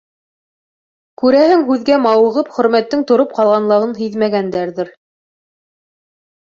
Күрәһең, һүҙгә мауығып, Хөрмәттең тороп ҡалғанлығын һиҙмәгәндәрҙер.